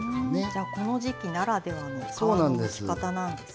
じゃあこの時期ならではの皮のむき方なんですね。